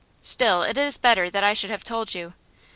Still, it is better that I should have told you.